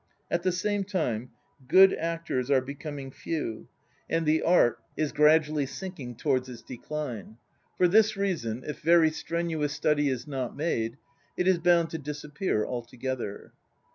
At the same time, good actors are becoming few and the Art is 24 INTRODUCTION gradually sinking towards its decline. For this reason, if very stren uous study is not made, it is bound to disappear altogether.